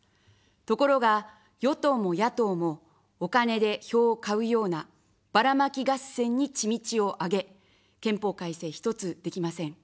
ところが、与党も野党もお金で票を買うようなバラマキ合戦に血道をあげ、憲法改正一つできません。